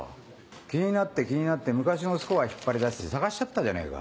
気になって気になって昔のスコア引っ張り出して探しちゃったじゃねえか。